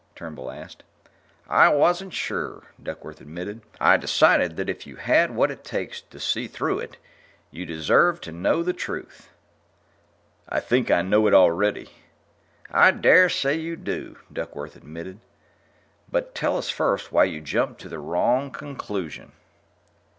Turnbull asked. "I wasn't sure," Duckworth admitted. "I decided that if you had what it takes to see through it, you'd deserve to know the truth." "I think I know it already." "I dare say you do," Duckworth admitted. "But tell us first why you jumped to the wrong conclusion."